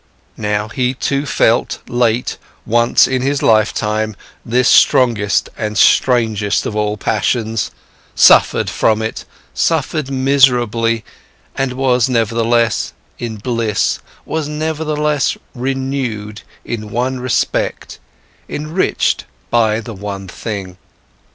Now he too felt, late, once in his lifetime, this strongest and strangest of all passions, suffered from it, suffered miserably, and was nevertheless in bliss, was nevertheless renewed in one respect, enriched by one thing.